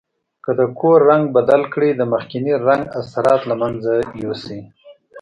که د کور رنګ بدل کړئ د مخکني رنګ اثرات له منځه یوسئ.